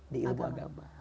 di ilmu agama